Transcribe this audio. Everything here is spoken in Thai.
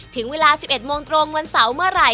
ถึงเวลา๑๑โมงตรงวันเสาร์เมื่อไหร่